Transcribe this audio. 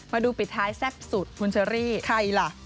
ปิดท้ายแซ่บสุดคุณเชอรี่ใครล่ะ